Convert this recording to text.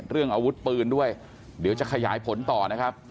เรื่องอาวุธปืนด้วยเดี๋ยวจะขยายผลต่อนะครับ